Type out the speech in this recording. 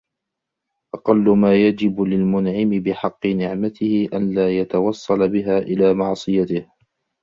أَقَلُّ مَا يَجِبُ لِلْمُنْعِمِ بِحَقِّ نِعْمَتِهِ أَنْ لَا يَتَوَصَّلَ بِهَا إلَى مَعْصِيَتِهِ